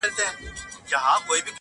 كله ،كله ديدنونه زما بــدن خــوري.